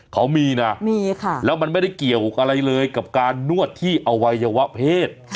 เขามีนะมีค่ะแล้วมันไม่ได้เกี่ยวอะไรเลยกับการนวดที่อวัยวะเพศ